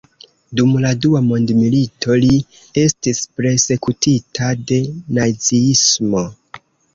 Dum la Dua Mondmilito, li estis persekutita de Naziismo.